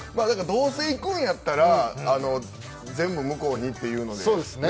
どうせ行くんやったら全部向こうにっていうので。